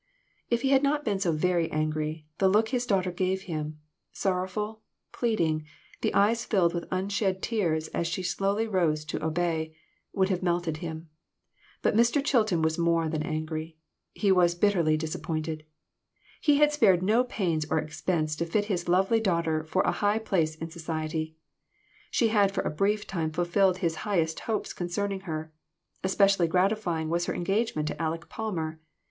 " If he had not been so very angry, the look his daughter gave him sorrowful, pleading, the eyes filled with unshed tears as she slowly rose to obey would have melted him. But Mr. Chilton was more than angry. He was bitterly disappointed. He had spared no pains or expense to fit his lovely daughter for a high place in society. She had for a brief time fulfilled his highest hopes concerning her. Especially gratifying was her engagement to Aleck Palmer.